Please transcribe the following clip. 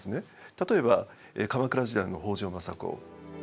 例えば鎌倉時代の北条政子。